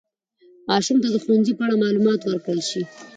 ماشوم ته د ښوونځي په اړه معلومات ورکړل شي.